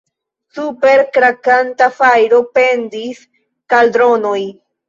Super krakanta fajro pendis kaldronoj.